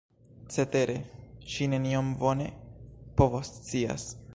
Cetere ŝi nenion bone povoscias.